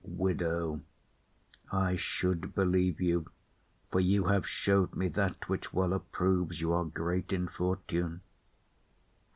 WIDOW. I should believe you, For you have show'd me that which well approves Y'are great in fortune.